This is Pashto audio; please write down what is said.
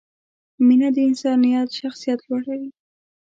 مینه د انسان شخصیت لوړوي.